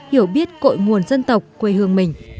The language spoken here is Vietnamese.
hiểu biết cội nguồn dân tộc quê hương mình